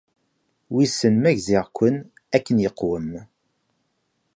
Wissen ma gziɣ-ken akken yeqwem.